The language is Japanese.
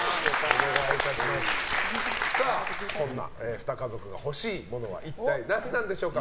こんな２家族が欲しいものはいったい何なんでしょうか。